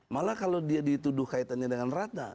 malah kalau dia dituduh kaitannya dengan ratna